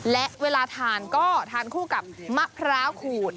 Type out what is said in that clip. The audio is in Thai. และเวลาทานก็ทานคู่กับมะพร้าวขูด